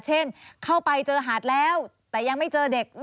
เช่นเข้าไปเจอหาดแล้วแต่ยังไม่เจอเด็ก